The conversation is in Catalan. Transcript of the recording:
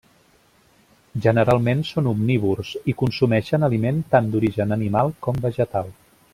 Generalment són omnívors, i consumeixen aliment tant d'origen animal com vegetal.